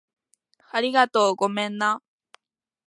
ありがとう。ごめんな